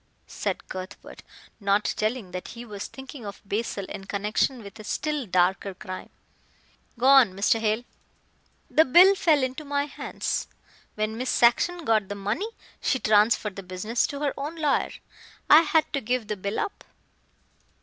said Cuthbert, not telling that he was thinking of Basil in connection with a still darker crime. "Go on, Mr. Hale." "The bill fell into my hands. When Miss Saxon got the money she transferred the business to her own lawyer. I had to give the bill up."